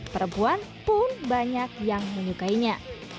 perempuan pun banyak yang menyukainya